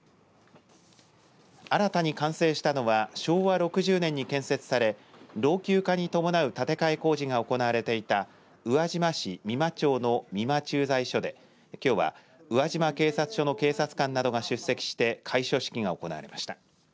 新たに完成したのは昭和６０年に建設され老朽化に伴う建て替え工事が行われていた宇和島市三間町の三間駐在所できょうは宇和島警察署の警察官などが出席して開所式が行われました。